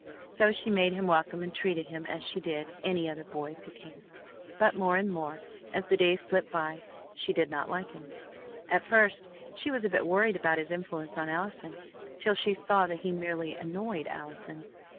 So she made him welcome and treated him as she did any other boys who came. But more and more as the days slipped by she did not like him. At first she was a bit worried about his influence on Allison, till she saw that he merely annoyed Allison.